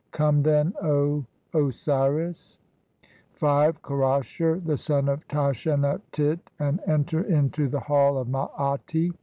Come "then, O Osiris (5) Kerasher, the son of Tashenatit, "and enter into the Hall of Maati.